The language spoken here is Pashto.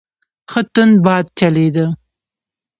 ښه تند باد چلیده.